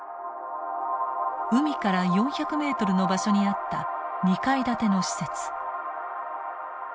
海から４００ｍの場所にあった２階建ての施設。